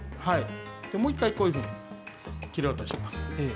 もう１回、こういうふうに切り落とします。